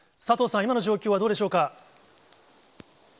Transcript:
佐藤さん、今の状況はどうでしょうか。